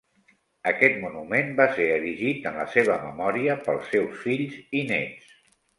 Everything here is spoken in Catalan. Aquest monument va ser erigit en la seva memòria pels seus fills i néts.